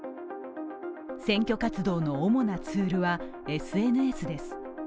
選挙活動の主なツールはＳＮＳです。